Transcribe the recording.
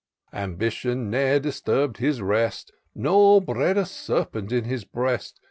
Ambition ne'er disturb'd his rest. Nor bred a serpent in his breast.